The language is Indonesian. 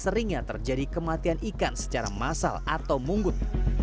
seringnya terjadi kematian ikan secara massal atau munggut